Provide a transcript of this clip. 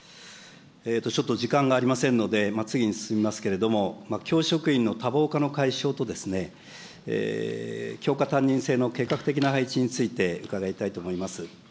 ちょっと時間がありませんので、次に進みますけれども、教職員の多忙化の解消と、教科担任制の計画的な配置について、伺いたいと思います。